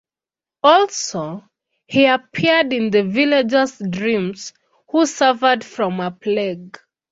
Also, he appeared in the villagers dreams who suffered from a plague.